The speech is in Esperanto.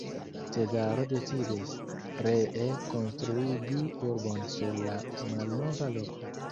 Cezaro decidis, ree konstruigi urbon sur la malnova loko.